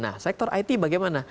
nah sektor it bagaimana